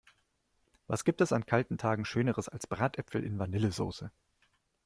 Was gibt es an kalten Tagen schöneres als Bratäpfel in Vanillesoße!